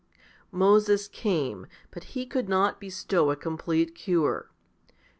6. Moses came, but he could not bestow a complete cure.